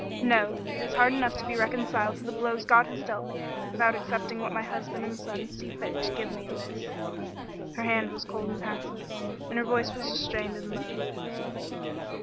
No! It is hard enough to be reconciled to the blows God has dealt me, without accepting what my husband and son see fit to give me in this." Her hand was cold and passive, and her voice was restrained and low.